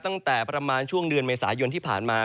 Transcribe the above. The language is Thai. ตั้งแต่ประมาณช่วงเดือนเมษายนที่ผ่านมา